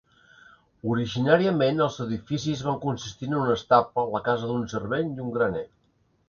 Originàriament els edificis van consistir en un estable, la casa d'un servent i un graner.